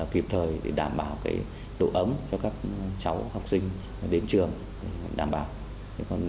kịp thời để đảm bảo độ ấm cho các cháu học sinh đến trường đảm bảo